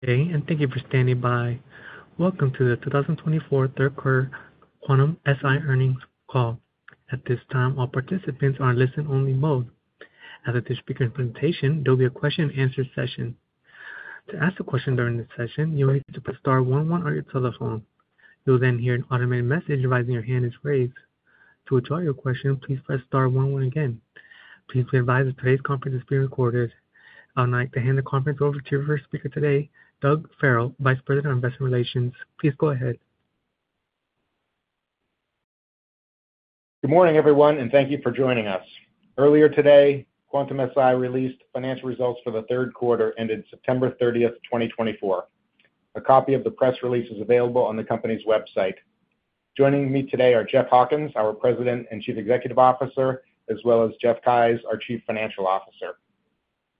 Okay, and thank you for standing by. Welcome to the 2024 Third Quarter Quantum-Si Earnings Call. At this time, all participants are in listen-only mode. As with this speaker's presentation, there will be a question-and-answer session. To ask a question during this session, you'll need to press star 11 on your telephone. You'll then hear an automated message advising your hand is raised. To withdraw your question, please press star 11 again. Please be advised that today's conference is being recorded. I would like to hand the conference over to your first speaker today, Doug Farrell, Vice President of Investor Relations. Please go ahead. Good morning, everyone, and thank you for joining us. Earlier today, Quantum-Si released financial results for the third quarter ended September 30th, 2024. A copy of the press release is available on the company's website. Joining me today are Jeff Hawkins, our President and Chief Executive Officer, as well as Jeff Keyes, our Chief Financial Officer.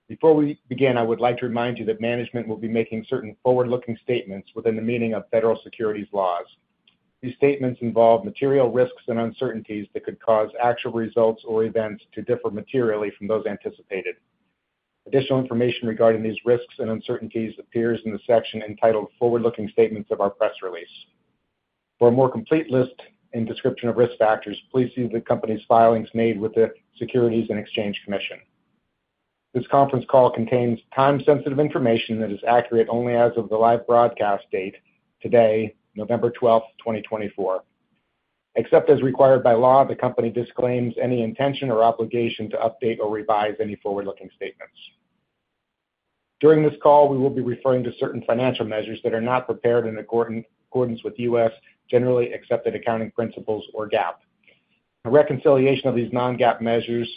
Before we begin, I would like to remind you that management will be making certain forward-looking statements within the meaning of federal securities laws. These statements involve material risks and uncertainties that could cause actual results or events to differ materially from those anticipated. Additional information regarding these risks and uncertainties appears in the section entitled Forward-Looking Statements of our press release. For a more complete list and description of risk factors, please see the company's filings made with the Securities and Exchange Commission. This conference call contains time-sensitive information that is accurate only as of the live broadcast date today, November 12th, 2024. Except as required by law, the company disclaims any intention or obligation to update or revise any forward-looking statements. During this call, we will be referring to certain financial measures that are not prepared in accordance with U.S. generally accepted accounting principles or GAAP. A reconciliation of these non-GAAP measures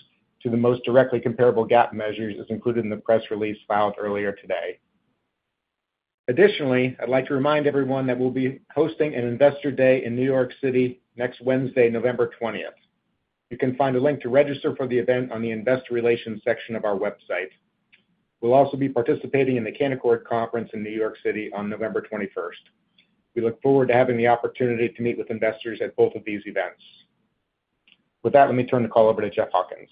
to the most directly comparable GAAP measures is included in the press release filed earlier today. Additionally, I'd like to remind everyone that we'll be hosting an Investor Day in New York City next Wednesday, November 20th. You can find a link to register for the event on the Investor Relations section of our website. We'll also be participating in the Canaccord Conference in New York City on November 21st. We look forward to having the opportunity to meet with investors at both of these events. With that, let me turn the call over to Jeff Hawkins.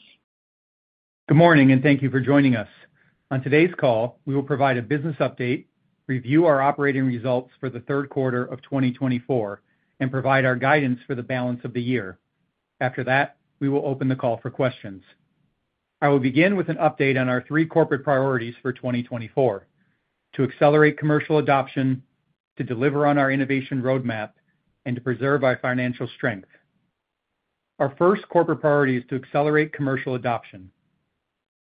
Good morning, and thank you for joining us. On today's call, we will provide a business update, review our operating results for the third quarter of 2024, and provide our guidance for the balance of the year. After that, we will open the call for questions. I will begin with an update on our three corporate priorities for 2024: to accelerate commercial adoption, to deliver on our innovation roadmap, and to preserve our financial strength. Our first corporate priority is to accelerate commercial adoption.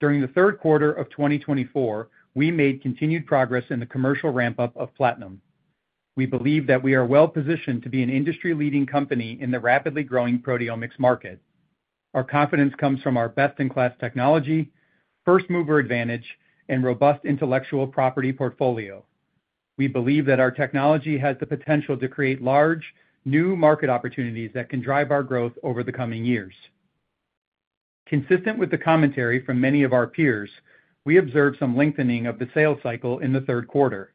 During the third quarter of 2024, we made continued progress in the commercial ramp-up of Platinum. We believe that we are well-positioned to be an industry-leading company in the rapidly growing proteomics market. Our confidence comes from our best-in-class technology, first-mover advantage, and robust intellectual property portfolio. We believe that our technology has the potential to create large, new market opportunities that can drive our growth over the coming years. Consistent with the commentary from many of our peers, we observed some lengthening of the sales cycle in the third quarter.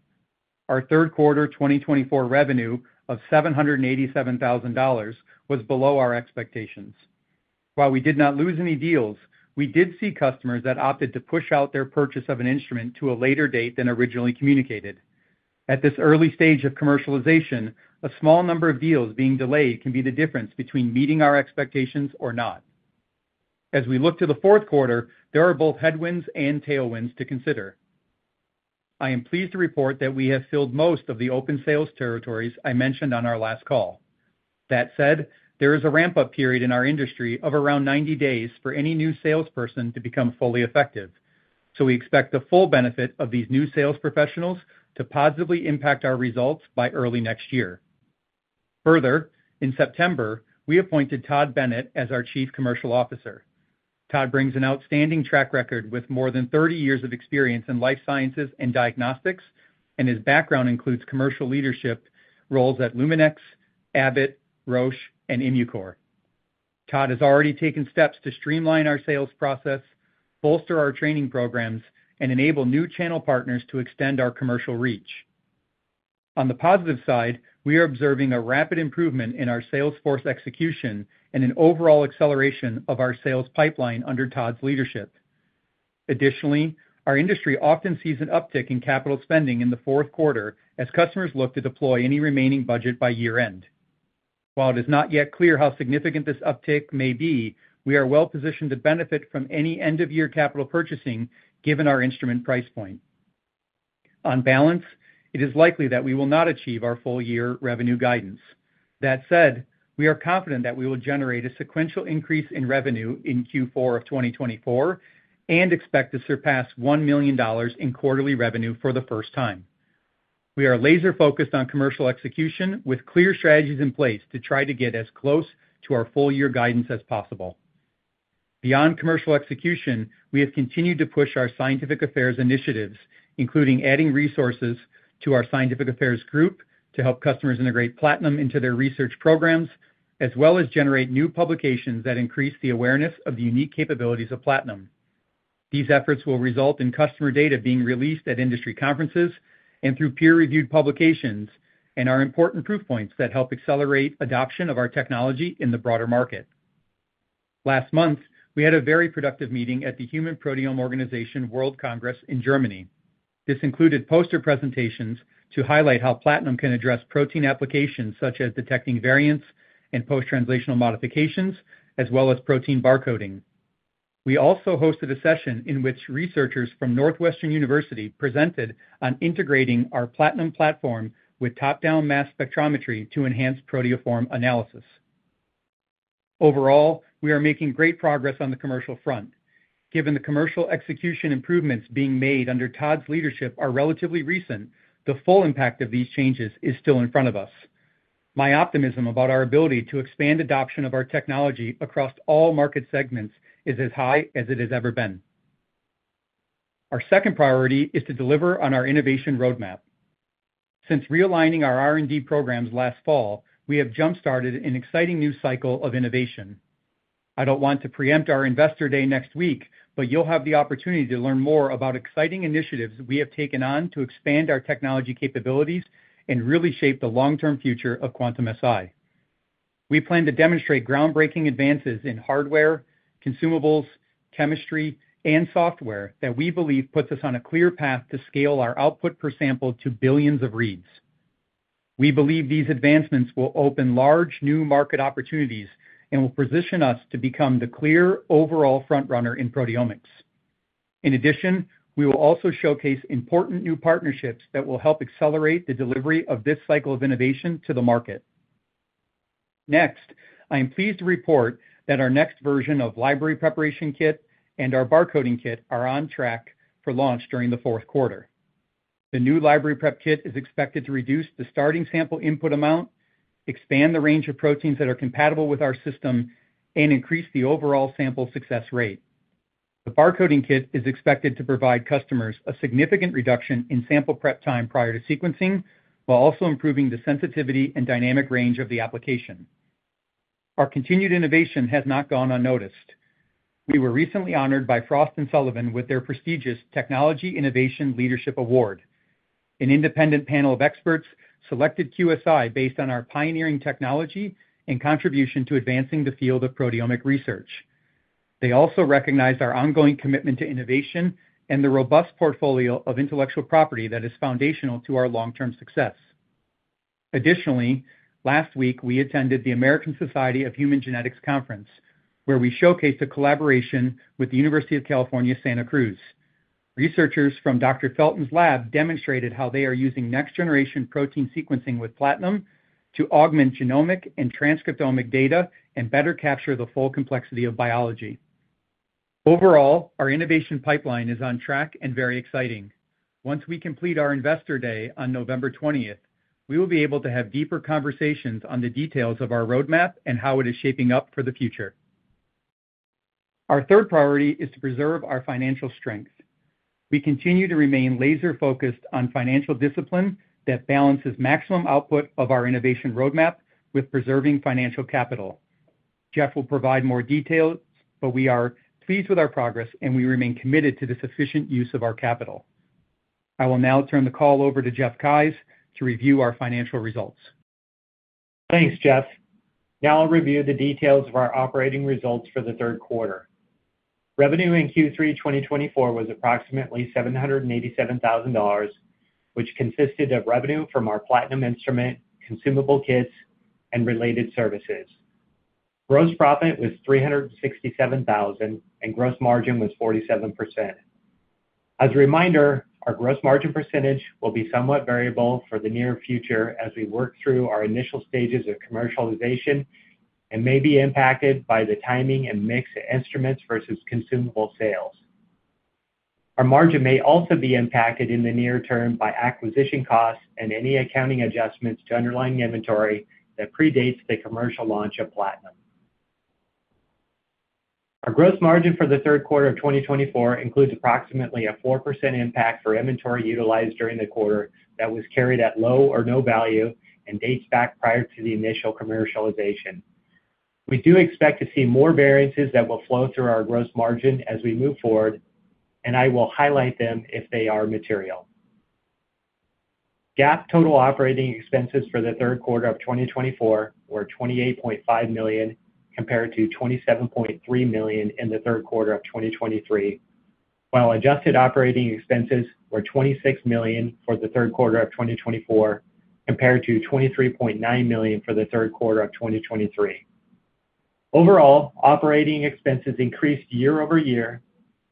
Our third quarter 2024 revenue of $787,000 was below our expectations. While we did not lose any deals, we did see customers that opted to push out their purchase of an instrument to a later date than originally communicated. At this early stage of commercialization, a small number of deals being delayed can be the difference between meeting our expectations or not. As we look to the fourth quarter, there are both headwinds and tailwinds to consider. I am pleased to report that we have filled most of the open sales territories I mentioned on our last call. That said, there is a ramp-up period in our industry of around 90 days for any new salesperson to become fully effective, so we expect the full benefit of these new sales professionals to positively impact our results by early next year. Further, in September, we appointed Todd Bennett as our Chief Commercial Officer. Todd brings an outstanding track record with more than 30 years of experience in life sciences and diagnostics, and his background includes commercial leadership roles at Luminex, Abbott, Roche, and Immucor. Todd has already taken steps to streamline our sales process, bolster our training programs, and enable new channel partners to extend our commercial reach. On the positive side, we are observing a rapid improvement in our sales force execution and an overall acceleration of our sales pipeline under Todd's leadership. Additionally, our industry often sees an uptick in capital spending in the fourth quarter as customers look to deploy any remaining budget by year-end. While it is not yet clear how significant this uptick may be, we are well-positioned to benefit from any end-of-year capital purchasing given our instrument price point. On balance, it is likely that we will not achieve our full-year revenue guidance. That said, we are confident that we will generate a sequential increase in revenue in Q4 of 2024 and expect to surpass $1 million in quarterly revenue for the first time. We are laser-focused on commercial execution with clear strategies in place to try to get as close to our full-year guidance as possible. Beyond commercial execution, we have continued to push our scientific affairs initiatives, including adding resources to our scientific affairs group to help customers integrate Platinum into their research programs, as well as generate new publications that increase the awareness of the unique capabilities of Platinum. These efforts will result in customer data being released at industry conferences and through peer-reviewed publications and are important proof points that help accelerate adoption of our technology in the broader market. Last month, we had a very productive meeting at the Human Proteome Organization World Congress in Germany. This included poster presentations to highlight how Platinum can address protein applications such as detecting variants and post-translational modifications, as well as protein barcoding. We also hosted a session in which researchers from Northwestern University presented on integrating our Platinum platform with top-down mass spectrometry to enhance proteoform analysis. Overall, we are making great progress on the commercial front. Given the commercial execution improvements being made under Todd's leadership are relatively recent, the full impact of these changes is still in front of us. My optimism about our ability to expand adoption of our technology across all market segments is as high as it has ever been. Our second priority is to deliver on our innovation roadmap. Since re-aligning our R&D programs last fall, we have jump-started an exciting new cycle of innovation. I don't want to preempt our Investor Day next week, but you'll have the opportunity to learn more about exciting initiatives we have taken on to expand our technology capabilities and really shape the long-term future of Quantum-Si. We plan to demonstrate groundbreaking advances in hardware, consumables, chemistry, and software that we believe puts us on a clear path to scale our output per sample to billions of reads. We believe these advancements will open large new market opportunities and will position us to become the clear overall front-runner in proteomics. In addition, we will also showcase important new partnerships that will help accelerate the delivery of this cycle of innovation to the market. Next, I am pleased to report that our next version of Library Preparation Kit and our Barcoding Kit are on track for launch during the fourth quarter. The new Library Prep Kit is expected to reduce the starting sample input amount, expand the range of proteins that are compatible with our system, and increase the overall sample success rate. The Barcoding Kit is expected to provide customers a significant reduction in sample prep time prior to sequencing, while also improving the sensitivity and dynamic range of the application. Our continued innovation has not gone unnoticed. We were recently honored by Frost & Sullivan with their prestigious Technology Innovation Leadership Award. An independent panel of experts selected QSI based on our pioneering technology and contribution to advancing the field of proteomic research. They also recognized our ongoing commitment to innovation and the robust portfolio of intellectual property that is foundational to our long-term success. Additionally, last week, we attended the American Society of Human Genetics Conference, where we showcased a collaboration with the University of California, Santa Cruz. Researchers from Dr. Felton's lab demonstrated how they are using next-generation protein sequencing with Platinum to augment genomic and transcriptomic data and better capture the full complexity of biology. Overall, our innovation pipeline is on track and very exciting. Once we complete our Investor Day on November 20th, we will be able to have deeper conversations on the details of our roadmap and how it is shaping up for the future. Our third priority is to preserve our financial strength. We continue to remain laser-focused on financial discipline that balances maximum output of our innovation roadmap with preserving financial capital. Jeff will provide more details, but we are pleased with our progress, and we remain committed to the sufficient use of our capital. I will now turn the call over to Jeff Keyes to review our financial results. Thanks, Jeff. Now I'll review the details of our operating results for the third quarter. Revenue in Q3 2024 was approximately $787,000, which consisted of revenue from our Platinum instrument, consumable kits, and related services. Gross profit was $367,000, and gross margin was 47%. As a reminder, our gross margin percentage will be somewhat variable for the near future as we work through our initial stages of commercialization and may be impacted by the timing and mix of instruments versus consumable sales. Our margin may also be impacted in the near term by acquisition costs and any accounting adjustments to underlying inventory that predates the commercial launch of Platinum. Our gross margin for the third quarter of 2024 includes approximately a 4% impact for inventory utilized during the quarter that was carried at low or no value and dates back prior to the initial commercialization. We do expect to see more variances that will flow through our gross margin as we move forward, and I will highlight them if they are material. GAAP total operating expenses for the third quarter of 2024 were $28.5 million compared to $27.3 million in the third quarter of 2023, while adjusted operating expenses were $26 million for the third quarter of 2024 compared to $23.9 million for the third quarter of 2023. Overall, operating expenses increased year over year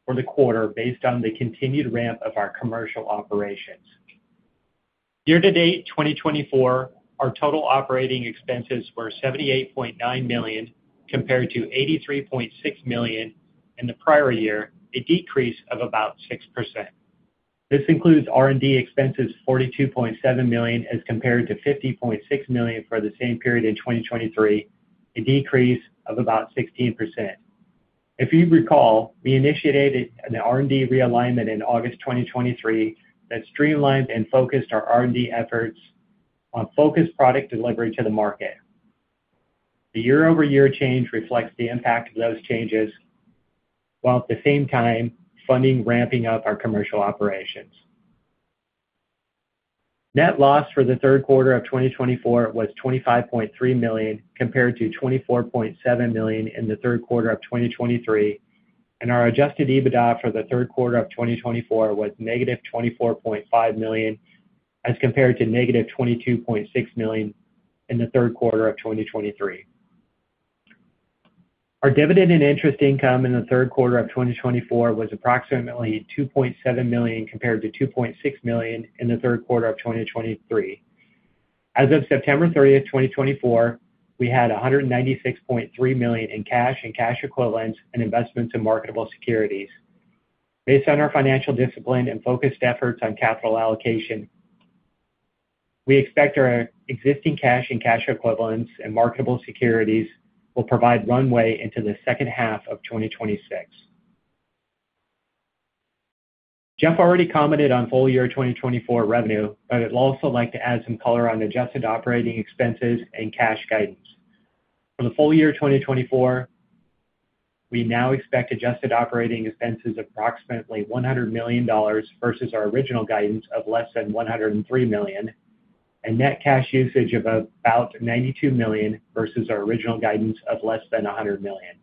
for the quarter based on the continued ramp of our commercial operations. Year-to-date 2024, our total operating expenses were $78.9 million compared to $83.6 million in the prior year, a decrease of about 6%. This includes R&D expenses of $42.7 million as compared to $50.6 million for the same period in 2023, a decrease of about 16%. If you recall, we initiated an R&D realignment in August 2023 that streamlined and focused our R&D efforts on focused product delivery to the market. The year-over-year change reflects the impact of those changes while at the same time funding ramping up our commercial operations. Net loss for the third quarter of 2024 was $25.3 million compared to $24.7 million in the third quarter of 2023, and our Adjusted EBITDA for the third quarter of 2024 was -$24.5 million as compared to -$22.6 million in the third quarter of 2023. Our dividend and interest income in the third quarter of 2024 was approximately $2.7 million compared to $2.6 million in the third quarter of 2023. As of September 30th, 2024, we had $196.3 million in cash and cash equivalents and investments in marketable securities. Based on our financial discipline and focused efforts on capital allocation, we expect our existing cash and cash equivalents and marketable securities will provide runway into the second half of 2026. Jeff already commented on full-year 2024 revenue, but I'd also like to add some color on adjusted operating expenses and cash guidance. For the full-year 2024, we now expect adjusted operating expenses of approximately $100 million versus our original guidance of less than $103 million, and net cash usage of about $92 million versus our original guidance of less than $100 million.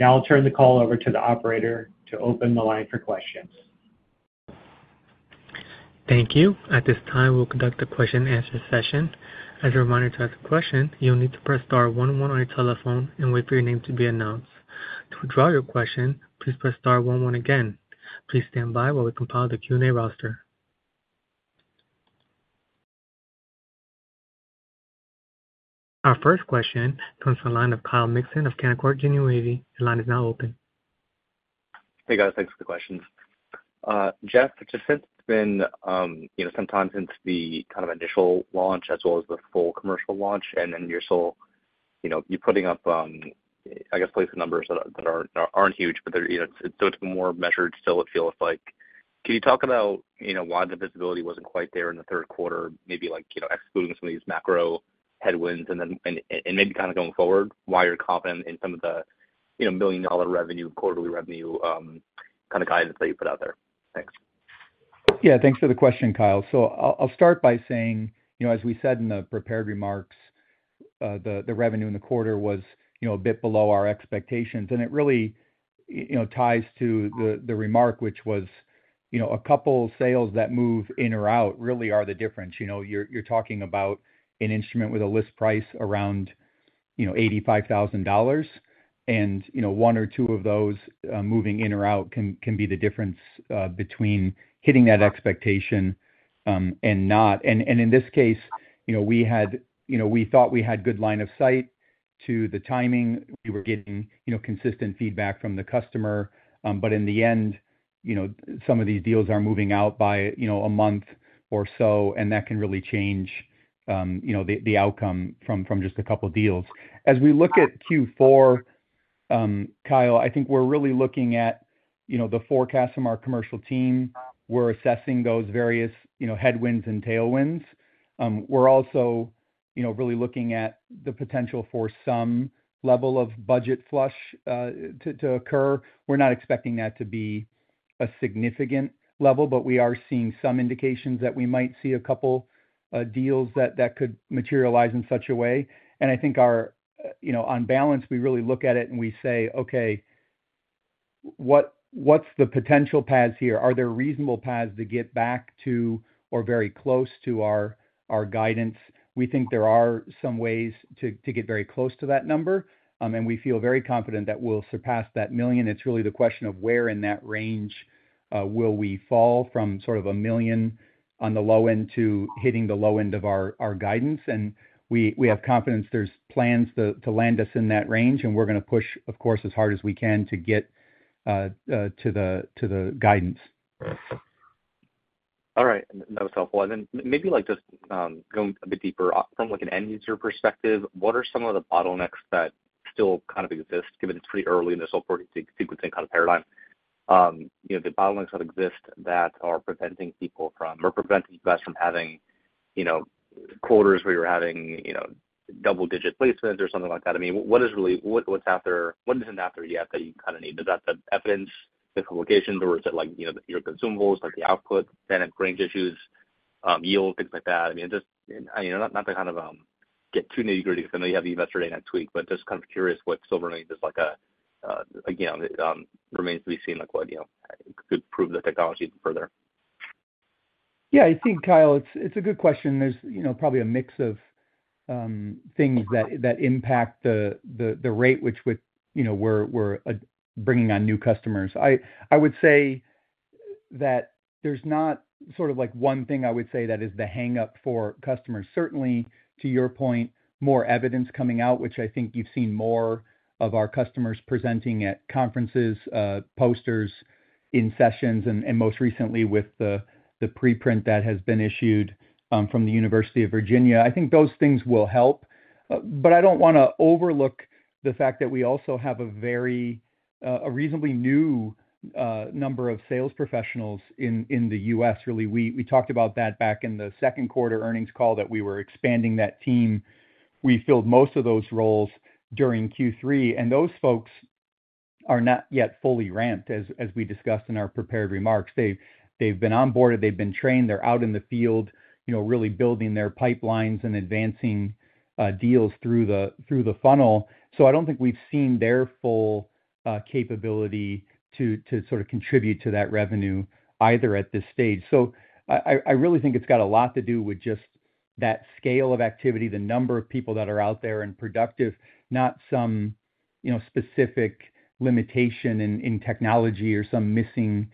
Now I'll turn the call over to the operator to open the line for questions. Thank you. At this time, we'll conduct the question-and-answer session. As a reminder to ask a question, you'll need to press star 11 on your telephone and wait for your name to be announced. To withdraw your question, please press star 11 again. Please stand by while we compile the Q&A roster. Our first question comes from the line of Kyle Mixon of Canaccord Genuity. The line is now open. Hey, guys. Thanks for the questions. Jeff, just since it's been some time since the kind of initial launch as well as the full commercial launch and then you're still, you know, you're putting up, I guess, placing numbers that aren't huge, but it's still more measured still, it feels like. Can you talk about why the visibility wasn't quite there in the third quarter, maybe excluding some of these macro headwinds and maybe kind of going forward, why you're confident in some of the million-dollar revenue, quarterly revenue kind of guidance that you put out there? Thanks. Yeah, thanks for the question, Kyle. So I'll start by saying, as we said in the prepared remarks, the revenue in the quarter was a bit below our expectations. And it really ties to the remark, which was a couple sales that move in or out really are the difference. You're talking about an instrument with a list price around $85,000, and one or two of those moving in or out can be the difference between hitting that expectation and not. And in this case, we thought we had good line of sight to the timing. We were getting consistent feedback from the customer, but in the end, some of these deals are moving out by a month or so, and that can really change the outcome from just a couple deals. As we look at Q4, Kyle, I think we're really looking at the forecast from our commercial team. We're assessing those various headwinds and tailwinds. We're also really looking at the potential for some level of budget flush to occur. We're not expecting that to be a significant level, but we are seeing some indications that we might see a couple deals that could materialize in such a way. And I think on balance, we really look at it and we say, "Okay, what's the potential paths here? Are there reasonable paths to get back to or very close to our guidance?" We think there are some ways to get very close to that number, and we feel very confident that we'll surpass that million. It's really the question of where in that range will we fall from sort of a million on the low end to hitting the low end of our guidance. We have confidence there's plans to land us in that range, and we're going to push, of course, as hard as we can to get to the guidance. All right. That was helpful, and then maybe just going a bit deeper from an end user perspective, what are some of the bottlenecks that still kind of exist, given it's pretty early in this whole sequencing kind of paradigm? The bottlenecks that exist that are preventing people from or preventing you guys from having quarters where you're having double-digit placements or something like that? I mean, what is really what's after? What isn't after yet that you kind of need? Is that the evidence, the publications, or is it your consumables, like the output, then it's range issues, yield, things like that? I mean, just not to kind of get too nitty-gritty because I know you have the Investor Day next week, but just kind of curious what still remains is like a remains to be seen like what could prove the technology even further. Yeah, I think, Kyle, it's a good question. There's probably a mix of things that impact the rate which we're bringing on new customers. I would say that there's not sort of like one thing I would say that is the hang-up for customers. Certainly, to your point, more evidence coming out, which I think you've seen more of our customers presenting at conferences, posters, in sessions, and most recently with the preprint that has been issued from the University of Virginia. I think those things will help, but I don't want to overlook the fact that we also have a very reasonably new number of sales professionals in the U.S. Really, we talked about that back in the second quarter earnings call that we were expanding that team. We filled most of those roles during Q3, and those folks are not yet fully ramped, as we discussed in our prepared remarks. They've been onboarded. They've been trained. They're out in the field, really building their pipelines and advancing deals through the funnel. So I don't think we've seen their full capability to sort of contribute to that revenue either at this stage. So I really think it's got a lot to do with just that scale of activity, the number of people that are out there and productive, not some specific limitation in technology or some missing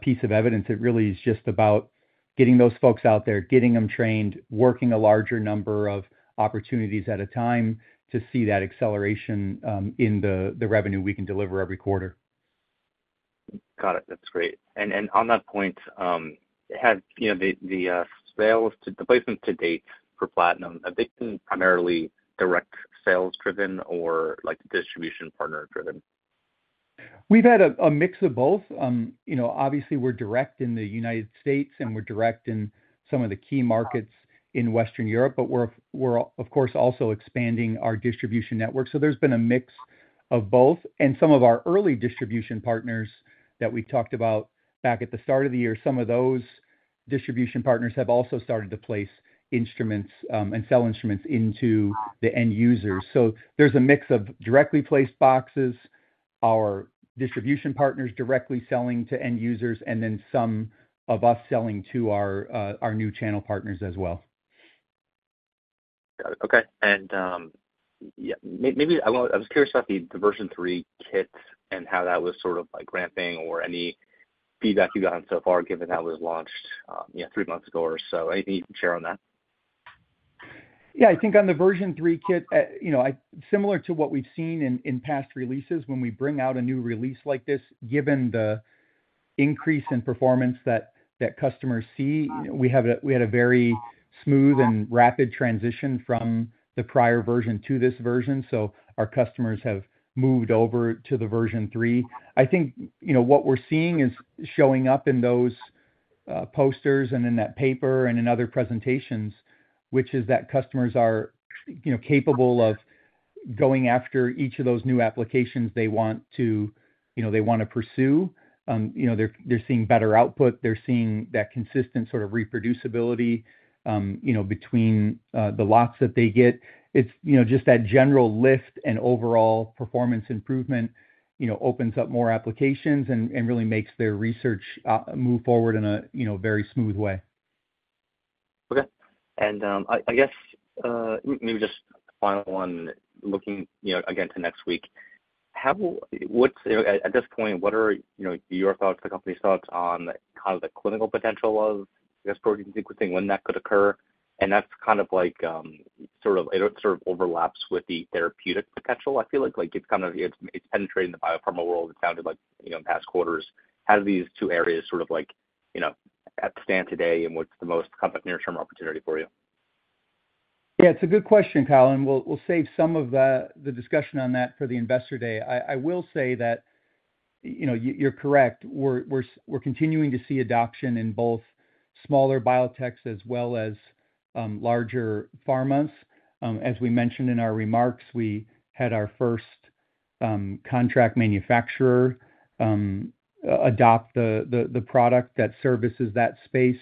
piece of evidence. It really is just about getting those folks out there, getting them trained, working a larger number of opportunities at a time to see that acceleration in the revenue we can deliver every quarter. Got it. That's great. And on that point, have the sales to the placements to date for Platinum, have they been primarily direct sales-driven or distribution partner-driven? We've had a mix of both. Obviously, we're direct in the United States, and we're direct in some of the key markets in Western Europe, but we're, of course, also expanding our distribution network. So there's been a mix of both. And some of our early distribution partners that we talked about back at the start of the year, some of those distribution partners have also started to place instruments and sell instruments into the end users. So there's a mix of directly placed boxes, our distribution partners directly selling to end users, and then some of us selling to our new channel partners as well. Got it. Okay. And maybe I was curious about the Version 3 Kit and how that was sort of ramping or any feedback you've gotten so far given that was launched three months ago or so. Anything you can share on that? Yeah, I think on the Version 3 Kit, similar to what we've seen in past releases, when we bring out a new release like this, given the increase in performance that customers see, we had a very smooth and rapid transition from the prior version to this version. So our customers have moved over to the Version 3. I think what we're seeing is showing up in those posters and in that paper and in other presentations, which is that customers are capable of going after each of those new applications they want to pursue. They're seeing better output. They're seeing that consistent sort of reproducibility between the lots that they get. It's just that general lift and overall performance improvement opens up more applications and really makes their research move forward in a very smooth way. Okay. And I guess maybe just final one, looking again to next week, at this point, what are your thoughts, the company's thoughts on kind of the clinical potential of, I guess, protein sequencing when that could occur? And that's kind of like sort of it sort of overlaps with the therapeutic potential, I feel like. It's kind of penetrating the biopharma world. It sounded like in past quarters. How do these two areas sort of like stand today and what's the most comfort near-term opportunity for you? Yeah, it's a good question, Kyle, and we'll save some of the discussion on that for the Investor Day. I will say that you're correct. We're continuing to see adoption in both smaller biotechs as well as larger pharmas. As we mentioned in our remarks, we had our first contract manufacturer adopt the product that services that space,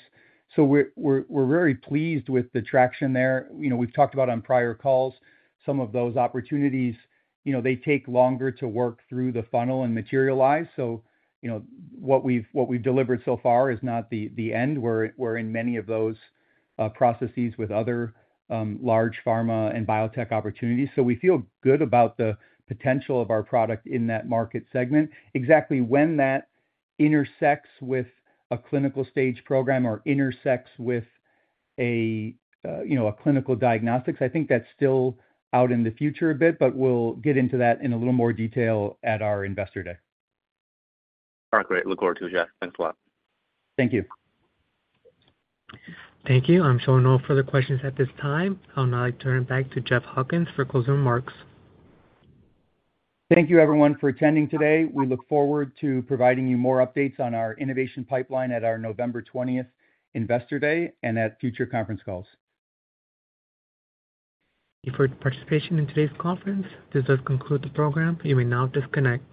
so we're very pleased with the traction there. We've talked about, on prior calls, some of those opportunities; they take longer to work through the funnel and materialize. So what we've delivered so far is not the end. We're in many of those processes with other large pharma and biotech opportunities, so we feel good about the potential of our product in that market segment. Exactly when that intersects with a clinical stage program or intersects with a clinical diagnostics, I think that's still out in the future a bit, but we'll get into that in a little more detail at our Investor Day. All right. Great. Look forward to it, Jeff. Thanks a lot. Thank you. Thank you. I'm showing no further questions at this time. I'll now turn it back to Jeff Hawkins for closing remarks. Thank you, everyone, for attending today. We look forward to providing you more updates on our innovation pipeline at our November 20th Investor Day and at future conference calls. Thank you for your participation in today's conference. This does conclude the program. You may now disconnect.